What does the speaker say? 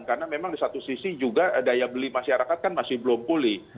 karena memang di satu sisi juga daya beli masyarakat kan masih belum pulih